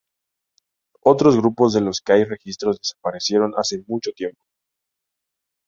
Otros grupos de los que hay registros desaparecieron hace mucho tiempo.